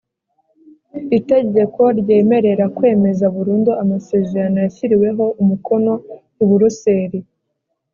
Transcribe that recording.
itegeko ryemerera kwemeza burundu amasezerano yashyiriweho umukono i buruseli